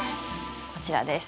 こちらです。